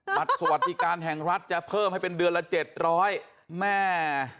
บัตรสวัสดิการแห่งรัฐจะเพิ่มให้เป็นเดือนละ๗๐๐แม่